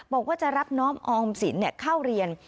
บอกว่าจะรับน้องออมสินเข้าเรียน